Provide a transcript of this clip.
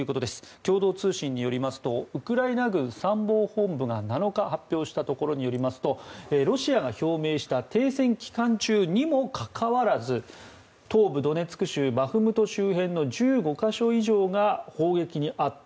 共同通信によりますとウクライナ軍参謀本部が７日発表したところによりますとロシアが表明した停戦期間中にもかかわらず東部ドネツク州バフムト周辺の１５か所以上が砲撃に遭った。